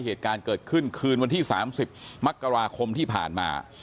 เหตุการณ์เกิดขึ้นคืนวันที่๓๐มกราคมที่ผ่านมา